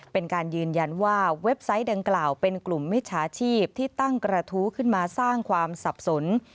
เป็นการยืนยันว่าเว็บไซต์ดังกล่าวเป็นกลุ่มมิจฉาชีพที่ตั้งกระทู้ขึ้นมาสร้างความสับสน